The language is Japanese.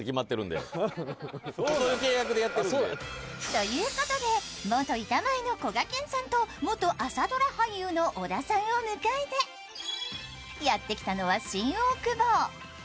ということで、元板前のこがけんさんと元朝ドラ俳優の小田さんを迎えてやって来たのは新大久保。